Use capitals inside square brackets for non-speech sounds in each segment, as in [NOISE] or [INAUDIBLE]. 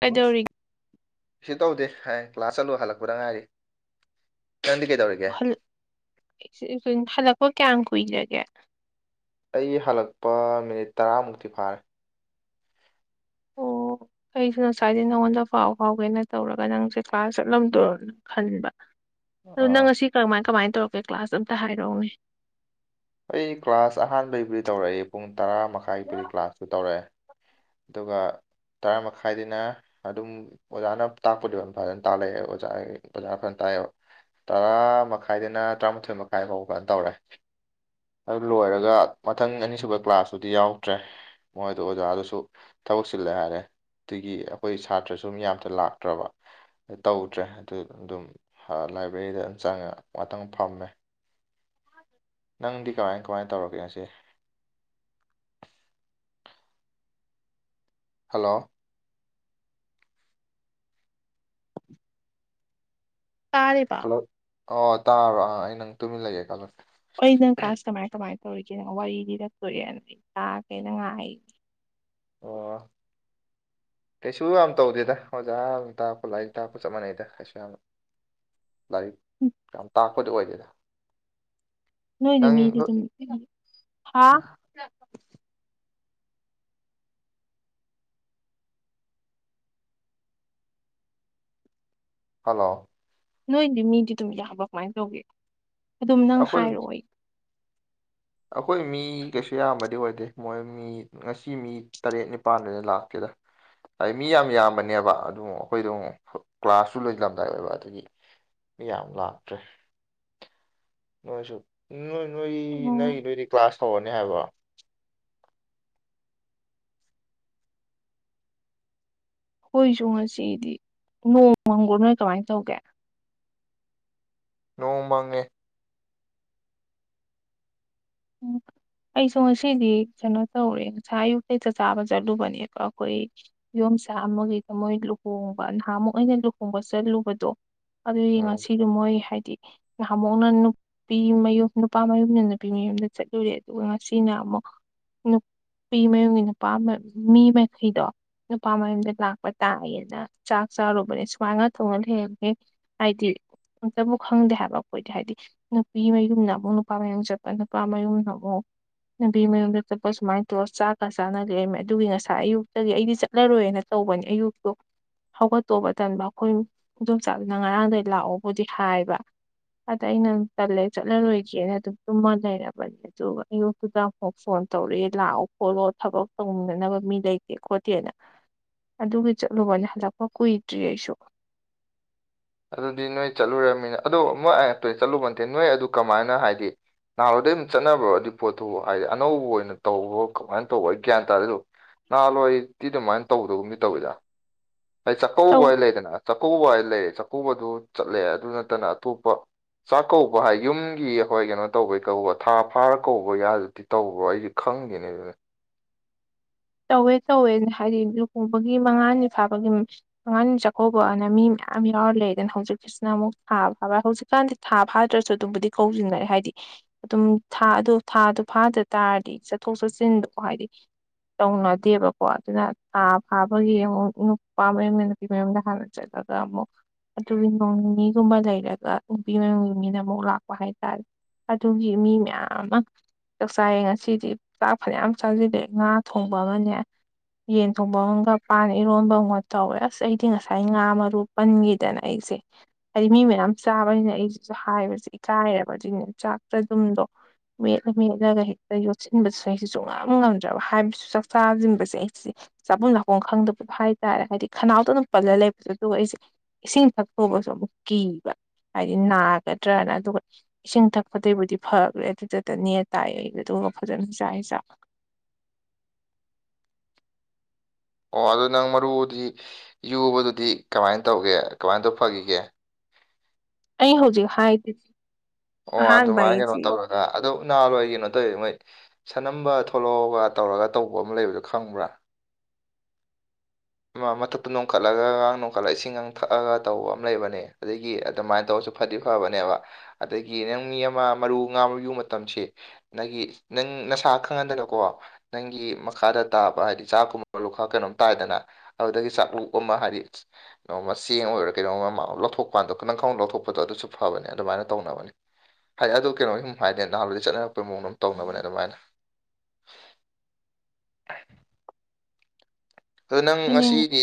ꯀꯩꯗꯧꯔꯤ ꯁꯤ ꯇꯧꯗꯦ ꯍꯥꯏ ꯀ꯭ꯂꯥꯁ ꯆꯠꯂꯨ ꯍꯜꯂꯛꯄꯗ ꯉꯥꯏꯔꯤ ꯅꯪꯗꯤ ꯀꯩꯗꯧꯔꯤ ꯍꯜ [UNINTELLIGIBLE] ꯍꯜꯂꯛꯄ ꯀꯌꯥꯝ ꯀꯨꯏꯔꯒꯦ ꯑꯩ ꯍꯜꯂꯛꯄ ꯃꯤꯅꯤꯠ ꯇꯔꯥꯃꯨꯛꯇꯤ ꯐꯥꯔꯦ ꯑꯣ ꯑꯩꯁꯨ ꯉꯁꯥꯏꯗꯩ ꯅꯪꯉꯣꯟꯗ ꯄꯥꯎ ꯐꯥꯎꯒꯦꯅ ꯇꯧꯔꯒ ꯅꯪꯁꯦ ꯀ꯭ꯂꯥꯁ ꯆꯠꯂꯝꯗꯣꯔ ꯈꯟꯕ ꯑꯗꯨ ꯅꯪ ꯑꯥ ꯉꯁꯤ ꯀꯔꯝꯃꯥꯏ ꯀꯃꯥꯏ ꯇꯧꯔꯛꯀꯦ ꯀ꯭ꯂꯥꯁ ꯑꯝꯇ ꯍꯥꯏꯔꯛꯑꯣꯍꯦ ꯑꯩ ꯀ꯭ꯂꯥꯁ ꯑꯍꯥꯟꯕꯩꯕꯨꯗꯤ ꯇꯧꯔꯛꯑꯦ ꯄꯨꯡ ꯇꯔꯥ ꯃꯈꯥꯏꯕꯨꯨꯗꯤ ꯀ꯭ꯂꯥꯁꯇꯨ ꯇꯧꯔꯛꯑꯦ ꯑꯗꯨꯒ ꯇꯔꯥ ꯃꯈꯥꯏꯗꯩꯅ ꯑꯗꯨꯝ ꯑꯣꯖꯥꯅ ꯇꯥꯛꯄꯨꯗꯤ ꯐꯥꯖꯅ ꯇꯥꯛꯂꯛꯑꯦ ꯑꯣꯖꯥꯒꯤ ꯑꯣꯖꯥ ꯐꯥꯖꯅ ꯇꯥꯛꯑꯦꯕ ꯇꯔꯥ ꯃꯈꯥꯏꯗꯩꯅ ꯇꯔꯥꯃꯥꯊꯣꯏ ꯃꯈꯥꯏ ꯐꯥꯎ ꯐꯥꯖꯅ ꯇꯧꯔꯦ ꯑꯗꯨ ꯂꯣꯏꯔꯒ ꯃꯊꯪ ꯑꯅꯤꯁꯨꯕ ꯀ꯭ꯂꯥꯁꯇꯨꯗꯤ ꯌꯥꯎꯗ꯭ꯔꯦ ꯃꯣꯏꯗꯣ ꯑꯣꯖꯥ ꯗꯨꯁꯨ ꯊꯕꯛ ꯆꯤꯜꯂꯦ ꯍꯥꯏꯔꯦ ꯑꯗꯒꯤ ꯑꯩꯈꯣꯏ ꯁꯥꯇ꯭ꯔꯥꯁꯨ ꯃꯤ ꯑꯝꯇ ꯂꯥꯛꯇ꯭ꯔꯕ ꯇꯧꯗ꯭ꯔꯦ ꯑꯗꯨ ꯑꯗꯨꯝ ꯍꯥ ꯂꯥꯏꯕ꯭ꯔꯦꯔꯤꯗ ꯑꯗꯨꯝ ꯆꯪꯉ ꯉꯥꯇꯪ ꯐꯝꯃꯦ ꯅꯪꯗꯤ ꯀꯃꯥꯏ ꯀꯃꯥꯏ ꯇꯧꯔꯒꯦ ꯉꯁꯤ ꯍꯜꯂꯣ ꯇꯥꯔꯦ ꯍꯜꯂꯣ ꯑꯣ ꯇꯥꯔꯕ ꯑꯥ ꯑꯩ ꯅꯪ ꯇꯨꯃꯤꯟ ꯂꯩꯌꯦ ꯈꯜꯂꯨꯏ ꯑꯩ ꯅꯪ ꯀ꯭ꯂꯥꯁ ꯀꯃꯥꯏ ꯀꯃꯥꯏ ꯇꯧꯔꯤꯒꯦꯅ ꯋꯥꯔꯤ ꯂꯤꯔꯛꯇꯣꯔꯦꯅ ꯑꯩ ꯇꯥꯒꯦꯅ ꯉꯥꯏꯔꯤ ꯑꯣ [INAUDIBLE] ꯀꯩꯁꯨ ꯌꯥꯝ ꯇꯧꯗꯦꯗ ꯑꯣꯖꯥꯅ ꯇꯥꯛꯄ ꯂꯥꯏꯔꯤꯛ ꯇꯥꯛꯄ ꯆꯞ ꯃꯥꯟꯅꯩꯗ ꯀꯩꯁꯨ ꯌꯥꯝꯅ ꯂꯥꯏꯔꯤꯛ ꯌꯥꯝ ꯇꯥꯛꯄꯗꯨ ꯑꯣꯏꯗꯦꯗ ꯅꯣꯏꯗꯤ ꯅꯪ ꯃꯤꯗꯨꯖꯨ ꯑꯃꯨꯛ ꯍꯥꯏꯗꯤ ꯍꯥ ꯍꯜꯂꯣ ꯅꯣꯏꯗꯤ ꯃꯤꯗꯤ ꯑꯗꯨꯝ ꯌꯥꯝꯕ꯭ꯔꯥ ꯀꯃꯥꯏꯅ ꯇꯧꯒꯦ ꯑꯗꯨꯝ ꯅꯪ ꯑꯩꯈꯣꯏ ꯍꯥꯏꯔꯛꯑꯣ ꯑꯩ ꯑꯩꯈꯣꯏ ꯃꯤ ꯀꯩꯁꯨ ꯌꯥꯝꯕꯗꯤ ꯑꯣꯏꯗꯦ ꯃꯣꯏ ꯃꯤ ꯉꯁꯤ ꯃꯤ ꯇꯔꯦꯠ ꯅꯤꯄꯥꯥꯟꯗꯩ ꯍꯦꯟꯅ ꯂꯥꯛꯇꯦꯗ ꯍꯥꯏꯗꯤ ꯃꯤ ꯌꯥꯝ ꯌꯥꯝꯕꯅꯦꯕ ꯑꯗꯨ ꯑꯩꯈꯣꯏꯗꯣ ꯀ꯭ꯂꯥꯁꯁꯨ ꯂꯣꯏꯁꯤꯜꯂꯝꯗꯥꯏ ꯑꯣꯏꯕ ꯑꯗꯨꯒꯤ ꯃꯤ ꯌꯥꯝ ꯂꯥꯛꯇ꯭ꯔꯦ ꯅꯣꯏꯁꯨ ꯅꯣꯏ ꯅꯣꯏ ꯑꯣ ꯅꯣꯏꯒꯤꯗꯨꯗꯤ ꯀ꯭ꯂꯥꯁ ꯍꯧꯔꯅꯤ ꯍꯥꯏꯕ ꯑꯩꯈꯣꯏꯁꯨ ꯉꯁꯤꯗꯤ ꯅꯣꯡ ꯃꯪꯕ꯭ꯔꯣ ꯅꯣꯏ ꯀꯃꯥꯏ ꯇꯧꯒꯦ ꯅꯣꯡ ꯃꯪꯉꯦ ꯎꯝ ꯑꯩꯁꯨ ꯉꯁꯤꯗꯤ ꯀꯩꯅꯣ ꯇꯧꯔꯦ ꯉꯁꯥꯏ ꯑꯌꯨꯛꯇꯩ ꯆꯥꯛ ꯆꯥꯕ ꯆꯠꯂꯨꯕꯅꯦ ꯑꯩꯈꯣꯏ ꯏꯟꯗꯣꯝꯆꯥ ꯑꯃꯒꯤꯀꯣ ꯃꯣꯏ ꯂꯨꯍꯣꯡꯕ ꯅꯍꯥꯟꯃꯨꯛ ꯑꯩꯅ ꯂꯨꯍꯣꯡꯕ ꯆꯠꯂꯨꯕꯗꯣ ꯑꯗꯨꯒꯤ ꯎꯝ ꯉꯁꯤ ꯃꯣꯏ ꯍꯥꯏꯗꯤ ꯅꯍꯥꯃꯨꯛꯅ ꯅꯨꯄꯤ ꯃꯌꯨꯝ ꯅꯨꯄꯥ ꯃꯌꯨꯝꯅ ꯅꯨꯄꯤ ꯃꯌꯨꯝꯗ ꯆꯠꯂꯨꯔꯦ ꯑꯗꯨꯒ ꯉꯁꯤꯅ ꯑꯃꯨꯛ ꯅꯨꯞ ꯅꯨꯄꯤ ꯃꯌꯨꯝꯒꯤ ꯅꯨꯄꯥ ꯑꯃ ꯃꯤ ꯃꯈꯩꯗꯣ ꯅꯨꯄꯥ ꯃꯌꯨꯝꯗ ꯂꯥꯛꯄ ꯇꯥꯏꯌꯦꯅ ꯆꯥꯛ ꯆꯥꯔꯨꯕꯅꯦ ꯁꯨꯃꯥꯏꯅ ꯊꯣꯡꯉ ꯍꯦꯛ ꯍꯦꯛ ꯍꯥꯏꯗꯤ ꯑꯝꯇꯕꯨ ꯈꯪꯗꯦ ꯍꯥꯏꯕ ꯑꯩꯈꯣꯏꯗꯤ ꯍꯥꯏꯗꯤ ꯅꯨꯄꯤ ꯃꯌꯨꯝꯅ ꯑꯃꯨꯛ ꯅꯨꯄꯥ ꯃꯌꯨꯝ ꯆꯠꯄ ꯅꯨꯄꯥ ꯃꯌꯨꯝꯅ ꯑꯃꯨꯛ ꯅꯨꯄꯤ ꯃꯌꯨꯝꯗ ꯆꯠꯄ ꯁꯨꯃꯥꯏꯅ ꯇꯧꯔ ꯆꯥꯛꯀꯥ ꯆꯥꯅ ꯂꯩꯔꯝꯃꯦ ꯑꯗꯨꯒꯤ ꯉꯁꯥꯏ ꯑꯌꯨꯛꯇꯒꯤ ꯑꯩꯗꯤ ꯆꯠꯂꯔꯣꯏꯅ ꯇꯧꯕꯅꯦ ꯑꯌꯨꯛꯇꯣ ꯍꯧꯒꯠꯇꯧꯕ ꯇꯟꯕ ꯑꯩꯈꯣꯏꯅ ꯏꯟꯗꯣꯝꯆꯥꯅ ꯉꯔꯥꯡꯗꯩ ꯂꯥꯛꯑꯣꯕꯨꯗꯤ ꯍꯥꯏꯕ ꯑꯗ ꯑꯩꯅ ꯇꯜꯂꯦ ꯆꯜꯂꯔꯣꯏꯒꯦꯅ ꯑꯗꯨꯝ ꯇꯨꯝꯃ ꯂꯩꯔꯕ ꯑꯗꯨꯒ ꯑꯌꯨꯛꯇꯨꯗ ꯑꯃꯨꯛ ꯐꯣꯟ ꯇꯧꯔꯛꯑꯦ ꯂꯥꯛꯑꯣ ꯈꯣꯠꯂꯣ ꯊꯕꯛ ꯇꯧꯃꯤꯟꯅꯅꯕ ꯃꯤ ꯂꯩꯇꯦ ꯈꯣꯠꯇꯦꯅ ꯑꯗꯨꯒꯤ ꯆꯠꯂꯨꯕꯅꯦ ꯍꯟꯂꯛꯄ ꯀꯨꯏꯗ꯭ꯔꯤ ꯑꯩꯁꯨ ꯑꯗꯨꯗꯤ ꯅꯣꯏ ꯆꯠꯂꯨꯨꯔꯃꯤꯅ ꯑꯗꯣ ꯃꯣꯏ ꯑꯥꯏ [UNINTELLIGIBLE] ꯆꯠꯂꯨꯕ ꯅꯠꯇꯦ ꯅꯣꯏ ꯑꯗꯨ ꯀꯃꯥꯏꯅ ꯍꯥꯏꯗꯤ ꯅꯍꯥꯥꯟꯋꯥꯗꯩ ꯑꯗꯨꯝ ꯆꯠꯅꯕ꯭ꯔ ꯑꯗꯨ ꯄꯣꯠꯇꯨꯕꯣ ꯍꯥꯏꯗꯤ ꯑꯅꯧꯕ ꯑꯣꯏꯅ ꯇꯧꯕ꯭ꯔꯣ ꯀꯃꯥꯏꯅ ꯇꯧꯕ ꯑꯩ ꯒ꯭ꯌꯥꯟ ꯇꯥꯗꯦ ꯑꯗꯨ ꯅꯍꯥꯟꯋꯥꯗꯤ ꯑꯗꯨꯃꯥꯏꯅ ꯇꯧꯗꯒꯨꯝꯗꯤ ꯇꯧꯋꯤꯗ ꯑꯩ ꯆꯥꯛꯀꯧꯕ ꯇꯧ ꯍꯥꯏ ꯂꯩꯗꯅ ꯆꯥꯛꯀꯧꯕ ꯍꯥꯏ ꯂꯩꯌꯦ ꯆꯥꯛꯀꯧꯕꯗꯨ ꯆꯠꯂꯦ ꯑꯗꯨ ꯅꯠꯇꯅ ꯑꯇꯣꯞꯄ ꯆꯥꯛ ꯀꯧꯕ ꯍꯥꯏ ꯌꯨꯝꯒꯤ ꯑꯩꯈꯣꯏ ꯀꯩꯅꯣ ꯇꯧꯕꯩ ꯀꯧꯕ ꯊꯥ ꯐꯥꯔ ꯀꯧꯕ ꯌꯥꯎꯏꯗ ꯇꯧꯕ꯭ꯔꯣ ꯑꯩꯗꯤ ꯈꯪꯗꯦꯅꯦ ꯑꯗꯨꯗꯤ ꯇꯧꯋꯦ ꯇꯧꯋꯦ ꯍꯥꯏꯗꯤ ꯂꯨꯍꯣꯡꯕꯒꯤ ꯃꯉꯥꯅꯤ ꯐꯥꯕꯒꯤ ꯃꯉꯥꯅꯤ ꯆꯥꯛꯀꯧꯕꯑꯅ ꯃꯤ ꯃꯌꯥꯝ ꯌꯥꯎꯔ ꯂꯩꯗꯅ ꯍꯧꯖꯤꯛꯇꯤ ꯑꯁꯤꯅ ꯑꯃꯨꯛ ꯊꯥ ꯐꯥꯕ ꯍꯧꯖꯤꯛꯀꯥꯟꯗꯤ ꯊꯥ ꯐꯥꯗ꯭ꯔꯁꯨ ꯑꯗꯨꯝꯕꯨꯗꯤ ꯀꯧꯁꯤꯟꯅꯔꯦ ꯍꯥꯏꯗꯤ ꯑꯗꯨꯝ ꯊꯥ ꯑꯗꯨ ꯊꯥꯗꯣ ꯐꯥꯗ ꯇꯥꯔꯗꯤ ꯆꯠꯊꯣꯛ ꯆꯠꯁꯤꯟꯗꯨ ꯍꯥꯏꯗꯤ ꯇꯧꯅꯗꯦꯕꯀꯣ ꯑꯗꯨꯅ ꯊꯥ ꯐꯥꯕꯒꯤ ꯑꯃꯨꯛ ꯅꯨꯄꯥ ꯃꯌꯨꯝꯅ ꯅꯨꯄꯤ ꯃꯌꯨꯝꯗ ꯍꯥꯟꯅ ꯆꯠꯂꯒ ꯑꯃꯨꯛ ꯑꯗꯨꯒꯤ ꯅꯣꯡ ꯅꯤꯒꯨꯝꯕ ꯂꯩꯔꯒ ꯅꯨꯄꯤ ꯃꯌꯨꯝꯒꯤ ꯃꯤꯅ ꯑꯃꯨꯛ ꯂꯥꯛꯄ ꯍꯥꯏꯇꯥꯔꯦ ꯑꯗꯨꯒꯤ ꯃꯤ ꯃꯌꯥꯝ ꯑꯃ ꯆꯥꯛꯆꯥꯏꯌꯦ ꯉꯁꯤꯗꯤ ꯆꯥꯛ ꯐꯅꯌꯥꯝ ꯆꯥꯁꯤꯜꯂꯛꯑꯦ ꯉꯥ ꯊꯣꯡꯕꯒꯅꯦ ꯌꯦꯟ ꯊꯣꯡꯕ ꯑꯃꯒ ꯄꯥꯟ ꯏꯔꯣꯟꯕ ꯑꯃꯒ ꯇꯧꯋꯦ ꯑꯁ ꯑꯩꯗꯤ ꯉꯁꯥꯏ ꯉꯥ ꯃꯔꯨ ꯄꯟꯒꯤꯗꯅ ꯑꯩꯁꯦ ꯍꯥꯏꯗꯤ ꯃꯤ ꯃꯌꯥꯝ ꯆꯥꯕꯅꯤꯅ ꯑꯩꯁꯤꯁꯨ ꯍꯥꯏꯕꯁꯦ ꯏꯀꯥꯏꯔꯕ ꯑꯗꯨꯏꯅꯦ ꯆꯥꯛ ꯆꯗꯨꯨꯝꯗꯣ ꯃꯦꯠꯂ ꯃꯦꯠꯂꯒ ꯍꯦꯛꯇ ꯌꯣꯠꯁꯤꯟꯕꯁꯩꯁꯨ ꯁꯨꯛꯉꯝ ꯉꯝꯗ꯭ꯔꯕ ꯍꯥꯏꯕꯁꯨ ꯆꯥꯛ ꯆꯥꯖꯤꯟꯕꯁꯦ ꯑꯩꯁꯦ ꯆꯥꯚꯝ ꯂꯥꯛꯐꯝ ꯈꯪꯗꯕꯗꯣ ꯍꯥꯏꯇꯥꯔꯦ ꯍꯥꯏꯗꯤ ꯈꯅꯥꯎꯗ ꯑꯗꯨꯝ ꯄꯜꯂ ꯂꯩꯕꯗꯣ ꯑꯗꯨꯒ ꯑꯩꯁꯦ ꯏꯁꯤꯡ ꯊꯛꯇꯧꯕꯁꯨ ꯑꯃꯨꯛ ꯀꯤꯕ ꯍꯥꯏꯗꯤ ꯅꯥꯒꯗ꯭ꯔꯅ ꯑꯗꯨꯒ ꯏꯁꯤꯡ ꯊꯛꯄꯗꯩꯕꯨꯗꯤ ꯐꯒꯈ꯭ꯔꯦ ꯑꯗꯨꯗꯇ ꯅꯦꯇꯥꯏ ꯑꯩ ꯑꯗꯨꯒ ꯐꯖꯅ ꯆꯥꯏ ꯆꯥꯛ ꯑꯣ ꯑꯗꯨ ꯅꯪ ꯃꯔꯨꯗꯤ ꯌꯨꯕꯗꯨꯗꯤ ꯀꯃꯥꯏꯅ ꯇꯧꯒꯦ ꯀꯃꯥꯏꯅ ꯇꯧ ꯐꯒꯤꯒꯦ ꯑꯩ ꯍꯧꯖꯤꯛ ꯍꯥꯏꯗꯨꯗꯤ ꯑꯣ ꯑꯗꯨꯃꯥꯏꯅ ꯀꯩꯅꯣ ꯇꯧꯔꯒ ꯑꯗꯣ ꯅꯍꯥꯟꯋꯥꯏ ꯀꯩꯅꯣ ꯇꯧꯋꯦ ꯃꯣꯏ ꯁꯅꯝꯕ ꯊꯣꯛꯂꯛꯑꯣꯒ ꯇꯧꯔꯒ ꯇꯧꯕ ꯑꯃ ꯂꯩꯕꯗꯣ ꯈꯪꯕ꯭ꯔꯥ ꯃꯊꯛꯇ ꯅꯣꯡꯈꯠꯂꯒ ꯅꯣꯡꯈꯠꯂꯒ ꯏꯁꯤꯡꯒꯡ ꯊꯛꯑꯒ ꯇꯧꯕ ꯑꯃ ꯂꯩꯕꯅꯦ ꯑꯗꯒꯤ ꯑꯗꯨꯃꯥꯏꯅ ꯇꯧꯔꯁꯨ ꯐꯗꯤ ꯐꯕꯅꯦꯕ ꯑꯗꯒꯤ ꯅꯪ ꯃꯤ ꯑꯃ ꯃꯔꯨ ꯉꯥ ꯃꯔꯨ ꯌꯨ ꯃꯇꯝꯁꯤ ꯅꯪꯒꯤ ꯅꯪ ꯅꯁꯥ ꯈꯪꯍꯟꯗꯅꯀꯣ ꯅꯪꯒꯤ ꯃꯈꯥꯗ ꯇꯥꯕ ꯍꯥꯏꯗꯤ ꯆꯥꯛꯀꯨꯝꯕ ꯂꯨꯈꯥꯛ ꯀꯩꯅꯣꯝ ꯇꯥꯏꯗꯅ ꯑꯗꯨꯗꯒꯤ ꯆꯥꯛ ꯂꯨꯛ ꯑꯃ ꯍꯥꯏꯗꯤ ꯃ ꯆꯦꯡ ꯑꯣꯏꯔꯣ ꯀꯩꯅꯣꯝꯃ ꯂꯧꯊꯣꯛꯄꯀꯥꯟꯗꯣ ꯅꯪ ꯈꯪꯍꯧꯗꯔꯣ ꯂꯧꯊꯣꯛꯄꯗꯣ ꯑꯗꯨꯁꯨ ꯐꯕꯅꯦ ꯑꯗꯨꯃꯥꯏꯅ ꯇꯧꯅꯕꯅꯦ ꯍꯥꯏꯗꯤ ꯑꯗꯨ ꯀꯩꯅꯣꯒꯤ ꯁꯨꯝ ꯍꯥꯏ ꯅꯍꯥꯟꯋꯥꯏꯗꯩꯩ ꯆꯠꯅꯔꯛꯄ ꯃꯑꯣꯡꯗ ꯑꯗꯨꯃ ꯇꯧꯅꯕꯅꯦ ꯑꯗꯨꯃꯥꯏꯅ ꯑꯗꯨ ꯅꯪ ꯑꯗꯨꯅꯦ ꯉꯁꯤꯗꯤ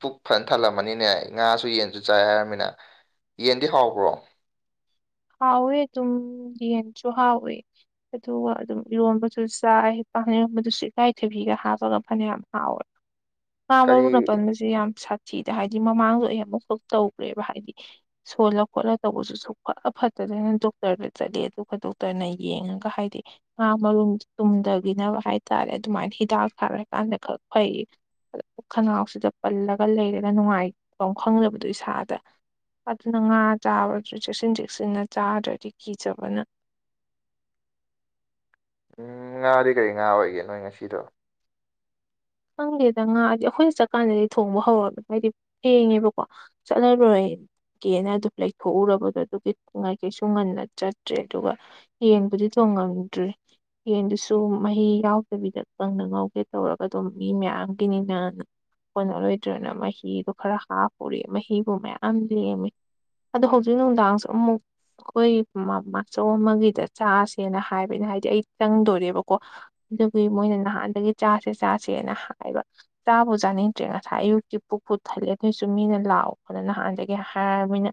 ꯄꯨꯛ ꯐꯖꯅ ꯊꯜꯂꯝꯃꯅꯤꯅꯦ ꯉꯥꯁꯨ ꯌꯦꯟꯁꯨ ꯆꯥꯏ ꯍꯥꯏꯔꯃꯤꯅ ꯌꯦꯟꯗꯤ ꯍꯥꯎꯕ꯭ꯔꯣ ꯍꯥꯎꯋꯦ ꯑꯗꯨꯝ ꯌꯦꯟꯁꯨ ꯍꯥꯥꯎꯋꯦ ꯑꯗꯨꯒ ꯑꯗꯨꯝ ꯏꯔꯣꯟꯕꯁꯨ ꯆꯥꯏ ꯄꯥꯟ ꯏꯔꯣꯟꯕꯗꯨꯁꯨ ꯏꯀꯥꯏꯊꯕꯤꯒ ꯍꯥꯞꯄꯒ ꯐꯅꯌꯥꯝ ꯍꯥꯎꯋꯦ ꯉꯥ ꯀꯔꯤ ꯃꯔꯨꯅ ꯄꯟꯕꯁꯦ ꯌꯥꯝ ꯁꯥꯊꯤꯗ ꯍꯥꯏꯗꯤ ꯃꯃꯥꯡꯗꯁꯨ ꯑꯩ ꯑꯃꯨꯛꯈꯛ ꯇꯧꯈ꯭ꯔꯦꯕ ꯍꯥꯏꯗꯤ ꯁꯣꯜꯂ ꯈꯣꯠꯂ ꯇꯧꯕꯁꯨ ꯁꯨꯛꯐꯥ ꯐꯠꯇꯗꯅ ꯗꯣꯛꯇꯔꯒ ꯆꯠꯂꯦ ꯑꯗꯨꯒ ꯗꯣꯛꯇꯔꯅ ꯌꯦꯡꯉꯒ ꯍꯥꯏꯔꯛꯑꯦ ꯉꯥ ꯃꯔꯨꯝ ꯇꯨꯝꯙꯥꯒꯤꯅꯕ ꯍꯥꯏꯇꯥꯔꯦ ꯑꯗꯨꯃꯥꯏꯅ ꯍꯤꯗꯥꯛ ꯊꯥꯔꯛ ꯀꯥꯟꯗ ꯈꯛ ꯐꯩꯌꯦ ꯈꯅꯥꯎꯁꯤꯗ ꯄꯜꯂꯒ ꯂꯩꯔꯒ ꯅꯨꯡꯉꯥꯏꯕꯝ ꯈꯪꯗꯕꯗꯣ ꯏꯁꯥꯗ ꯑꯗꯨꯅ ꯉꯥ ꯆꯥꯕꯁꯨ ꯆꯦꯛꯁꯤꯟ ꯆꯦꯛꯁꯤꯟꯅ ꯆꯥꯗ꯭ꯔꯗꯤ ꯀꯤꯖꯕꯅ ꯎꯝ ꯉꯥꯗꯤ ꯀꯔꯤ ꯉꯥ ꯑꯣꯏꯒꯦ ꯅꯣꯏ ꯉꯁꯤꯗꯣ ꯈꯪꯗꯦꯗ ꯉꯥ ꯑꯗꯤ ꯑꯈꯣꯏꯅ ꯆꯠꯀꯥꯟꯗꯗꯤ ꯊꯣꯡꯕ ꯍꯧꯔꯕ ꯍꯥꯏꯗꯤ ꯊꯦꯡꯉꯦꯕꯀꯣ ꯆꯠꯂꯔꯣꯏ ꯀꯦꯅ ꯑꯗꯨꯝ ꯂꯩꯊꯣꯛꯎꯔꯕꯗꯣ ꯑꯗꯨꯒꯤꯉꯥꯏ ꯀꯩꯁꯨ ꯉꯟꯅ ꯆꯠꯇ꯭ꯔꯦ ꯑꯗꯨꯒ ꯌꯦꯟꯕꯨꯗꯤ ꯊꯣꯡꯉꯝꯗ꯭꯭ꯔꯤ ꯌꯦꯟꯗꯨꯁꯨ ꯃꯍꯤ ꯌꯥꯎꯗꯕꯤꯗ ꯀꯪꯅ ꯉꯧꯒꯦ ꯇꯧꯔꯒ ꯑꯇꯣ ꯃꯤ ꯃꯌꯥꯝꯒꯤꯅꯤꯅꯅꯥ ꯀꯣꯟꯅꯔꯣꯏꯗ꯭ꯔꯅ ꯃꯍꯤꯗꯣ ꯈꯔ ꯍꯥꯞꯄꯨꯔꯦ ꯃꯍꯤꯕꯨ ꯃꯌꯥꯝ ꯂꯦꯝꯃꯦ ꯑꯗꯣ ꯍꯧꯖꯤꯛ ꯅꯨꯡꯗꯥꯡꯁꯨ ꯑꯃꯨꯛ ꯑꯈꯣꯏ ꯃꯃꯆꯧ ꯑꯃꯒꯤꯗ ꯆꯥꯁꯦꯅ ꯍꯥꯏꯕ ꯑꯩꯅ ꯍꯥꯏꯗꯤ ꯑꯩ ꯆꯪꯗꯣꯔꯦꯕꯀꯣ ꯑꯗꯨꯒꯤ ꯃꯣꯏꯅ ꯅꯍꯥꯟꯗꯒꯤ ꯆꯥꯁꯦ ꯆꯥꯁꯦꯅ ꯍꯥꯏꯕ ꯆꯥꯕꯨ ꯆꯥꯅꯤꯡꯗ꯭ꯔꯦ ꯉꯁꯥꯏ ꯑꯌꯨꯛꯀꯤ ꯄꯨꯛꯄꯨ ꯊꯜꯂꯦ ꯑꯗꯣꯏꯁꯨ ꯃꯤꯅ ꯂꯥꯛꯑꯣꯅ ꯅꯍꯥꯟꯗꯒꯤ ꯍꯥꯏꯔꯃꯤꯅ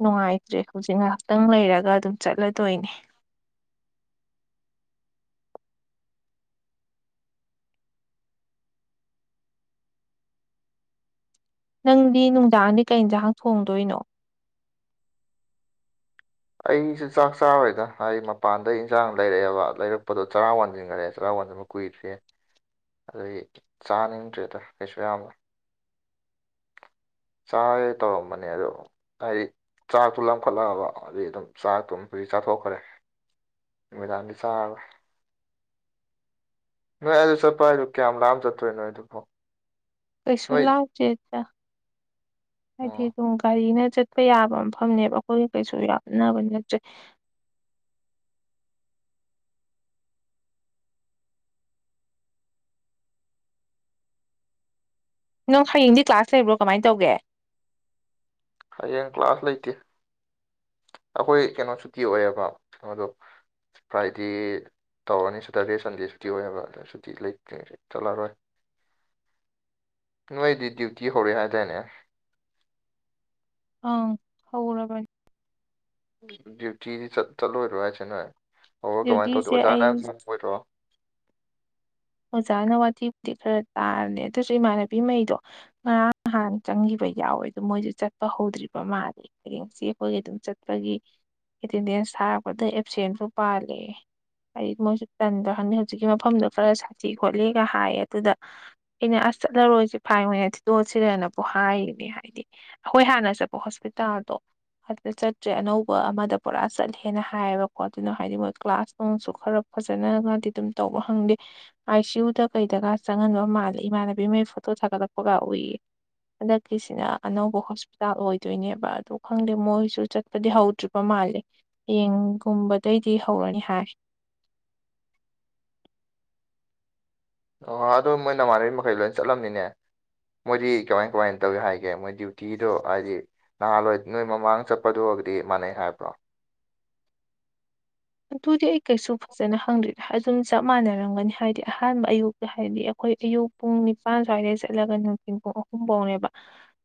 ꯅꯨꯡꯉꯥꯏꯇ꯭ꯔꯦ ꯍꯧꯖꯤꯛ ꯉꯥꯏꯍꯥꯛꯇꯪ ꯂꯩꯔꯒ ꯑꯗꯨꯝ ꯆꯠꯂꯗꯣꯏꯅꯦ ꯅꯪꯗꯤ ꯅꯨꯡꯗꯥꯡꯗꯤ ꯀꯩ ꯏꯟꯖꯥꯡ ꯊꯣꯡꯗꯣꯏꯅꯣ ꯑꯩꯖꯨ ꯆꯥꯛ ꯆꯔꯣꯏꯗ ꯍꯥꯏꯗꯤ ꯃꯄꯥꯟꯗꯩ ꯏꯟꯖꯥꯡ ꯂꯩꯔꯛꯑꯦꯕ ꯂꯩꯔꯛꯄꯗꯣ ꯆꯔꯥ ꯋꯥꯟꯖꯤꯒꯔꯦ ꯆꯔꯥ ꯋꯥꯟ ꯀꯨꯏꯗ꯭ꯔꯦ ꯑꯗꯨꯒꯤ ꯆꯥꯅꯤꯡꯗ꯭ꯔꯦꯗ ꯀꯩꯁꯨ ꯌꯥꯝꯕ ꯆꯥꯒꯦ ꯇꯧꯔꯝꯕꯅꯦ ꯑꯗꯣ ꯍꯥꯏꯗꯤ ꯆꯥꯛꯇꯣ ꯂꯝꯈꯠꯂꯛꯑꯕ ꯑꯗꯩꯩ ꯑꯗꯨꯝ ꯆꯥꯛꯇꯣ [UNINTELLIGIBLE] ꯆꯥꯊꯣꯛꯈ꯭ꯔꯦ ꯅꯨꯃꯤꯗꯥꯡꯗꯤ ꯆꯥꯔꯔꯣꯏ ꯅꯣꯏ ꯑꯗꯨ ꯆꯠꯄ ꯍꯥꯏꯗꯨ ꯀꯌꯥꯝ ꯂꯥꯞꯅ ꯆꯠꯇꯣꯏꯅꯣ ꯅꯣꯏ ꯑꯗꯨ ꯐꯥꯎ ꯀꯩꯁꯨ ꯂꯥꯞꯇꯦꯗ ꯍꯥꯏꯗꯤ ꯑꯣ ꯑꯗꯨꯝ ꯒꯥꯔꯤꯅ ꯆꯠꯄ ꯌꯥꯕ ꯃꯐꯝꯅꯦꯕ ꯑꯈꯣꯏꯒ ꯀꯩꯁꯨ ꯂꯥꯞꯅꯕꯗꯤ ꯅꯠꯇ꯭ꯔꯦ ꯅꯪ ꯍꯌꯦꯡꯗꯤ ꯀ꯭ꯂꯥꯁ ꯂꯩꯕ꯭ꯔꯣ ꯀꯃꯥꯏꯟ ꯇꯧꯒꯦ ꯍꯌꯦꯡ ꯀ꯭ꯂꯥꯁ ꯂꯩꯇꯦ ꯑꯈꯣꯏ ꯀꯩꯅꯣ ꯁꯨꯇꯤ ꯑꯣꯏꯌꯦꯕ ꯀꯩꯅꯣꯗꯣ ꯐ꯭ꯔꯥꯏꯗꯦ ꯇꯧꯔꯅꯤ ꯁꯇꯔꯗꯦ ꯁꯟꯗꯦ ꯁꯨꯇꯤ ꯑꯣꯏ ꯍꯥꯏꯕ ꯑꯗ ꯁꯨꯇꯤ ꯂꯩꯇ꯭ꯔꯦ ꯆꯠꯂꯔꯣꯏ ꯅꯣꯏꯗꯤ ꯗ꯭ꯌꯨꯇꯤ ꯍꯧꯔꯦ ꯍꯥꯏꯗꯥꯏꯅꯦ ꯑꯥꯡ ꯍꯧꯔꯕꯟ ꯗ꯭ꯌꯨꯇꯤꯗꯤ ꯆꯠ ꯆꯠꯂꯣꯏꯗ꯭ꯔꯣ ꯍꯥꯏꯖꯦꯅꯣꯏ ꯍꯧꯔ ꯀꯃꯥꯏꯟ ꯗ꯭ꯌꯨꯇꯤꯁꯦ ꯇꯧꯗꯣꯏꯕ ꯑꯩ ꯑꯣꯖꯥꯅ ꯉꯪꯉꯣꯏꯗ꯭ꯔꯣ ꯑꯣꯖꯥꯅ ꯋꯥꯇꯤꯕꯨꯗꯤ ꯈꯔ ꯇꯥꯔꯅꯤ ꯑꯗꯨꯁꯨ ꯏꯃꯥꯟꯅꯕꯤꯃꯩꯗꯣ ꯉꯔꯥꯡ ꯅꯍꯥꯟ ꯆꯪꯒꯤꯕ ꯌꯥꯎꯋꯦ ꯑꯗꯣ ꯃꯣꯏꯖꯦ ꯆꯠꯄ ꯍꯧꯗ꯭ꯔꯤꯕ ꯃꯥꯜꯂꯦ ꯍꯌꯦꯡꯁꯤ ꯑꯈꯣꯏꯒꯤ ꯑꯗꯨꯝ ꯆꯠꯄꯒꯤ ꯑꯦꯇꯦꯟꯗꯦꯟꯁ ꯊꯥꯔꯛꯄꯗ ꯑꯦꯞꯁꯦꯟꯕꯨ ꯄꯥꯜꯂꯦ ꯍꯥꯏ ꯃꯣꯏꯁꯨ ꯇꯟꯗ꯭ꯔ ꯍꯟꯗꯦ ꯍꯧꯖꯤꯛꯀꯤ ꯃꯐꯝꯗꯣ ꯈꯔ ꯁꯥꯊꯤ ꯈꯣꯠꯂꯤꯒ ꯍꯥꯏꯌꯦ ꯑꯗꯨꯗ ꯑꯩꯅ ꯑꯁ ꯆꯠꯍꯧꯔꯁꯤ ꯐꯥꯏ ꯑꯣꯏꯅ ꯊꯤꯗꯣꯛꯑꯁꯤꯔꯅꯕꯨ ꯍꯥꯏꯔꯤꯅꯦ ꯍꯥꯏꯗꯤ ꯑꯈꯣꯏ ꯍꯥꯟꯅ ꯆꯠꯄ ꯍꯣꯁꯄꯤꯇꯜꯗꯣ ꯆꯠꯇ꯭ꯔꯦ ꯑꯅꯧꯕ ꯑꯃꯗ ꯄꯨꯔ ꯆꯠꯂꯦꯅ ꯍꯥꯏꯌꯦꯕꯀꯣ ꯑꯗꯨꯅ ꯍꯥꯏꯗꯤ ꯃꯣꯏ ꯀ꯭ꯂꯥꯁ ꯅꯪꯁꯨ ꯈꯔ ꯐꯖꯅꯒꯗꯤ ꯑꯗꯨꯝ ꯇꯧꯕ꯭ꯔ ꯍꯪꯗꯦ ꯑꯥꯏ ꯁꯤ ꯌꯨꯗ ꯀꯩꯗꯒ ꯆꯪꯍꯟꯕ ꯃꯥꯜꯂꯦ ꯏꯃꯥꯟꯅꯕꯤꯃꯩ ꯐꯣꯇꯣ ꯊꯒꯠꯂꯛꯄꯒ ꯎꯏꯌꯦ ꯍꯟꯗꯛꯀꯤꯁꯤꯅ ꯑꯅꯧꯕ ꯍꯣꯁꯄꯤꯇꯥꯜ ꯑꯣꯏꯗꯣꯏꯅꯦꯕ ꯑꯗꯣ ꯈꯪꯗꯦ ꯃꯣꯏꯁꯨ ꯆꯠ ꯗꯤ ꯍꯧꯗ꯭ꯔꯤꯕ ꯃꯥꯜꯂꯦ ꯍꯌꯦꯡꯒꯨꯝꯕꯗꯩꯗꯤ ꯍꯧꯔꯅꯤ ꯍꯥꯏ ꯑꯣ ꯑꯗꯣ ꯃꯣꯏ ꯅꯃꯥꯟꯅꯕꯤ ꯃꯈꯩ ꯂꯣꯏ ꯆꯠꯂꯝꯅꯤꯅꯦ ꯃꯣꯏꯗꯤ ꯀꯃꯥꯏ ꯀꯃꯥꯏꯟ ꯇꯧꯋꯦ ꯍꯥꯏꯒꯦ ꯃꯣꯏ ꯗ꯭ꯌꯨꯇꯤꯗꯣ ꯍꯥꯏꯗꯤ ꯅꯍꯥꯟꯋꯥꯏ ꯅꯣꯏ ꯃꯃꯥꯡ ꯆꯠꯄꯗꯨꯒꯗꯤ ꯃꯟꯅꯩ ꯍꯥꯏꯕ꯭ꯔꯣ ꯑꯗꯨꯗꯤ ꯑꯩ ꯀꯩꯁꯨ ꯐꯖꯅ ꯍꯪꯗ꯭ꯔꯤꯗ ꯑꯗꯨꯝ ꯆꯞ ꯃꯥꯟꯅꯔꯝꯒꯅꯤ ꯍꯥꯏꯗꯤ ꯑꯍꯥꯟꯕ ꯑꯌꯨꯛ ꯍꯥꯏꯗꯤ ꯑꯈꯣꯏ ꯑꯌꯨꯛ ꯄꯨꯡ ꯅꯤꯄꯜ ꯁ꯭ꯋꯥꯏꯗꯩ ꯆꯠꯂꯒ ꯅꯨꯡꯊꯤꯟ ꯄꯨꯡ ꯑꯍꯨꯝꯕꯧꯅꯦꯕ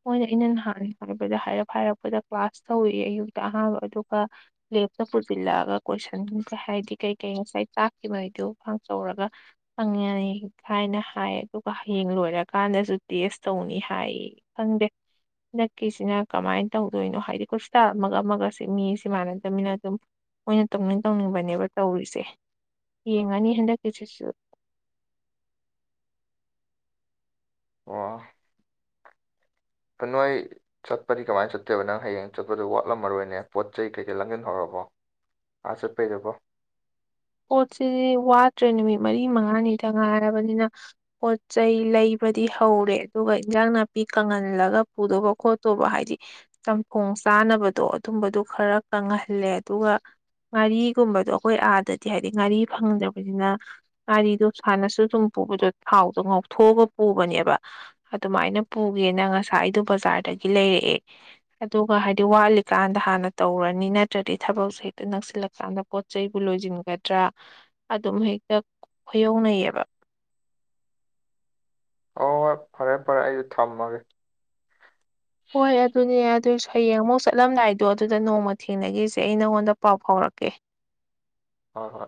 ꯃꯣꯏꯅ ꯑꯩꯅ ꯅꯍꯥꯟ ꯍꯥꯏꯕꯗ ꯍꯥꯏꯔꯞ ꯍꯥꯏꯔꯛꯄꯗ ꯀ꯭ꯂꯥꯁ ꯇꯧꯋꯤ ꯑꯌꯨꯛꯇ ꯑꯍꯥꯟꯕ ꯑꯗꯨꯒ ꯂꯦꯞꯇꯄꯨꯖꯤꯜꯂꯛꯑꯒ ꯀꯣꯏꯁꯟ ꯀꯩ ꯍꯥꯏꯗꯤ ꯀꯩ ꯀꯩ ꯉꯁꯥꯏ ꯇꯛꯈꯤꯃꯩꯗꯨ ꯈꯪꯆꯧꯔꯒ ꯍꯪꯉꯦ ꯍꯥꯏ ꯍꯥꯏꯅꯍꯥꯏ ꯑꯗꯨꯒ ꯍꯌꯦꯡ ꯂꯣꯏꯔꯀꯥꯟꯗꯖꯨ ꯇꯦꯁ ꯇꯧꯅꯤ ꯍꯥꯏꯌꯦ ꯈꯪꯗꯦ ꯍꯟꯗꯛꯀꯤꯁꯤꯅ ꯀꯃꯥꯏꯟ ꯇꯧꯗꯣꯏꯅꯣ ꯍꯥꯏꯗꯤ ꯈ꯭ꯔꯨꯁꯇꯥ ꯑꯃꯒ ꯑꯃꯒꯁꯤ ꯃꯤ ꯁꯤ ꯃꯥꯟꯅꯗꯕꯅꯤꯅ ꯑꯗꯨꯝ ꯃꯣꯏꯅ ꯇꯧꯅꯤꯡ ꯇꯧꯅꯤꯡꯕꯅꯦꯕ ꯇꯧꯔꯤꯁꯦ ꯌꯦꯡꯉꯅꯤ ꯍꯟꯗꯛꯀꯤꯁꯤꯁꯨ ꯑꯣ ꯀꯥꯅꯣꯏ ꯆꯠꯄꯗꯤ ꯀꯃꯥꯏꯟ ꯆꯠꯇꯣꯕ ꯅꯪ ꯍꯌꯦꯡ ꯆꯠꯄꯗ ꯋꯥꯠꯂꯝꯃꯔꯣꯏꯅꯦ ꯄꯣꯠ ꯆꯩ ꯀꯩꯀꯩ ꯂꯥꯡꯖꯤꯟꯍꯧꯔꯕꯣ ꯑꯥ ꯆꯠꯄꯩꯗꯥꯀꯣ ꯄꯣꯠꯁꯤꯗꯤ ꯋꯥꯠꯇ꯭ꯔꯦ ꯅꯨꯃꯤꯠ ꯃꯔꯤ ꯃꯉꯥꯅꯤꯗ ꯉꯥꯏꯔꯕꯅꯤꯅ ꯄꯣꯠ ꯆꯩꯩ ꯂꯩꯕꯗꯤ ꯍꯧꯔꯦ ꯑꯗꯨꯒꯥ ꯏꯟꯖꯥꯡ ꯅꯥꯄꯤ ꯀꯪꯍꯜꯂꯒ ꯄꯨꯗꯧꯕ ꯈꯣꯠꯇꯧꯕ ꯍꯥꯏꯗꯤ ꯆꯝꯊꯣꯡ ꯆꯥꯅꯕꯗꯣ ꯑꯗꯨꯝꯕꯗꯣ ꯈꯔ ꯀꯪꯍꯜꯂꯦ ꯑꯗꯨꯒꯥ ꯉꯥꯔꯤꯒꯨꯝꯕꯗꯣ ꯑꯈꯣꯏ ꯑꯥꯗꯗꯤ ꯍꯥꯏꯗꯤ ꯉꯥꯔꯤ ꯐꯪꯗꯕꯅꯤꯅ ꯉꯥꯔꯤꯗꯣ ꯁꯥꯥꯟꯅꯁꯨ ꯑꯗꯨꯝ ꯄꯨꯕꯗꯣ ꯊꯥꯎꯗ ꯉꯥꯎꯊꯣꯛꯑꯒ ꯄꯨꯕꯅꯦꯕ ꯑꯗꯨꯃꯥꯏꯅ ꯄꯨꯒꯦꯅ ꯉꯁꯥꯏ ꯑꯩꯗꯣ ꯕꯖꯥꯔꯗꯒꯤ ꯂꯩꯔꯛꯑꯦ ꯑꯗꯨꯒꯥ ꯍꯥꯏꯗꯤ ꯋꯥꯠꯂꯤꯀꯥꯟꯗ ꯍꯥꯟꯅ ꯇꯧꯔꯅꯤ ꯅꯠꯇ꯭ꯔꯥꯗꯤ ꯊꯕꯛꯁꯦ ꯍꯦꯛꯇꯥ ꯅꯛꯁꯤꯜꯂꯛ ꯆꯥꯟꯗ ꯄꯣꯠ ꯆꯩꯕꯨ ꯂꯣꯏꯖꯤꯟꯒꯗ꯭ꯔꯥ ꯑꯗꯨꯝ ꯍꯦꯛꯇꯥ ꯈꯨꯌꯧꯅꯩꯌꯦꯕ ꯍꯣꯏ ꯍꯣꯏ ꯐꯔꯦ ꯐꯔꯦ ꯑꯩꯖꯨ ꯊꯝꯃꯒꯦ ꯍꯣꯏ ꯑꯗꯨꯅꯦ ꯑꯗꯨꯁꯨ ꯍꯌꯦꯡ ꯑꯃꯨꯛ ꯆꯠꯂꯝꯗꯥꯏꯗꯣ ꯑꯗꯨꯗ ꯅꯣꯡꯃ ꯊꯦꯡꯅꯒꯤꯖꯦ ꯑꯩ ꯅꯪꯉꯣꯟꯗ ꯄꯥꯎ ꯐꯥꯎꯔꯛꯀꯦ ꯍꯣꯏ ꯍꯣꯏ